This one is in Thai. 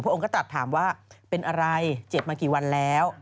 องค์ก็ตัดถามว่าเป็นอะไรเจ็บมากี่วันแล้ว